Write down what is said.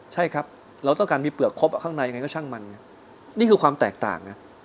ใช่ครับเราต้องการมีเปลือกครบข้างในไงก็ช่างมันนี่คือความแตกต่างนะ